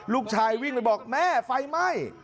ลูกชายวิ่งไปบอกแม่ไฟไหม้